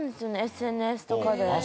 ＳＮＳとかで。